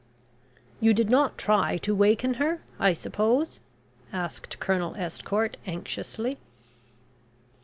"You did not try to waken her, I suppose?" asked Colonel Estcourt anxiously.